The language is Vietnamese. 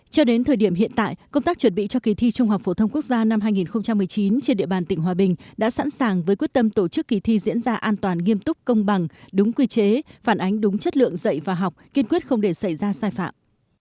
cho đến thời điểm hiện tại công tác chuẩn bị cho kỳ thi trung học phổ thông quốc gia năm hai nghìn một mươi chín trên địa bàn tỉnh hòa bình đã sẵn sàng với quyết tâm tổ chức kỳ thi diễn ra an toàn nghiêm túc công bằng đúng quy chế phản ánh đúng chất lượng dạy và học kiên quyết không để xảy ra sai phạm